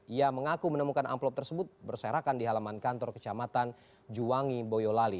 ia mengaku menemukan amplop tersebut berserakan di halaman kantor kecamatan juwangi boyolali